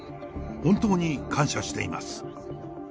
本当に感謝しています。